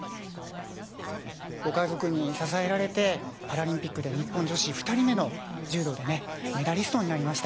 ご家族に支えられてパラリンピックで日本女子２人目の柔道でメダリストになりました。